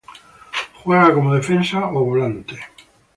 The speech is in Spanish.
Juega como defensa o volante.